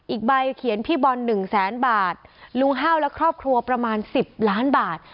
อีกใบเขียนพี่บอล๑แสนบาทลุงห้าวและครอบครัวประมาณ๑๐ล้านบาท